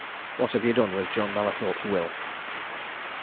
What have you done with John Mallathorpe's will?"